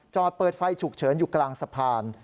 จอดเปิดไฟฉุกเฉินอยู่กลางสะพาน